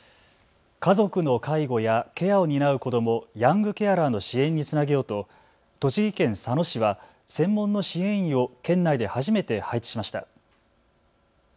家族の介護やケアを担う子ども、ヤングケアラーの支援につなげようと栃木県佐野市は専門の支援員を県内で初めて配置しました。